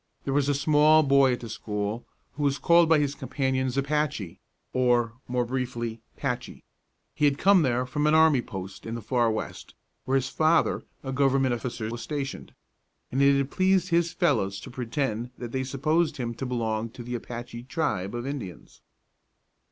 There was a small boy at the school who was called by his companions "Apache," or, more briefly, "Patchy." He had come there from an army post in the far West, where his father, a government officer, was stationed; and it had pleased his fellows to pretend that they supposed him to belong to the Apache tribe of Indians.